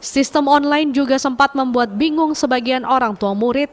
sistem online juga sempat membuat bingung sebagian orang tua murid